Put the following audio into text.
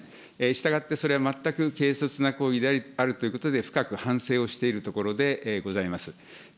したがって、それは全く軽率な行為であるということで、深く反省をしているところでございます。